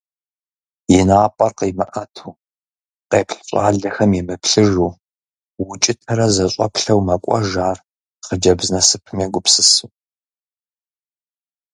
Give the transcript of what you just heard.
И напӏэр къимыӏэту, къеплъ щӏалэхэми емыплъыжу, укӏытэрэ зэщӏэплъэу мэкӏуэж ар хъыджэбз насыпым егупсысу.